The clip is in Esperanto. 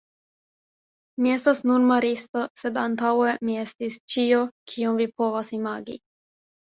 Mi estas nun maristo, sed antaŭe mi estis ĉio, kion vi povas imagi.